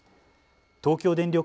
東京電力